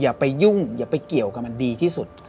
อย่าไปยุ่งอย่าไปเกี่ยวกับมันดีที่สุด